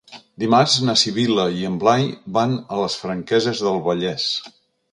Dimarts na Sibil·la i en Blai van a les Franqueses del Vallès.